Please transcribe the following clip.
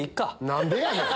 何でやねん！